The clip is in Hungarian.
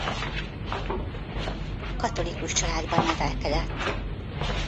Katolikus családban nevelkedett.